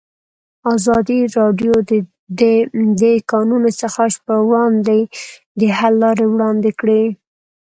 ازادي راډیو د د کانونو استخراج پر وړاندې د حل لارې وړاندې کړي.